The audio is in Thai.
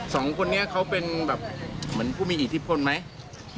สองคนนี้เขาเป็นแบบเหมือนผู้มีอิทธิพลไหม